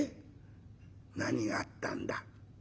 何があったんだ？